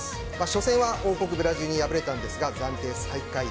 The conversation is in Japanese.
初戦は王国ブラジルに敗れたんですが暫定最下位。